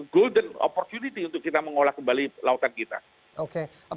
golden opportunity untuk kita mengolah kembali lautan kita